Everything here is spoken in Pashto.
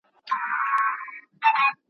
اسلام د غریبانو لاس نیسي.